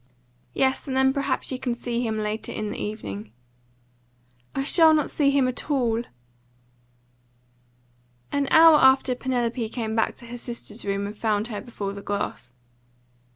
"Yes, and then perhaps you can see him later in the evening." "I shall not see him at all." An hour after Penelope came back to her sister's room and found her before her glass.